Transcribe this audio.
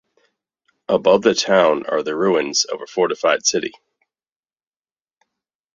Above the town are the ruins of a fortified city.